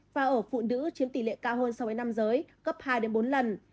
và ở phụ nữ chiếm tỷ lệ cao hơn so với nam giới cấp hai đến bốn lần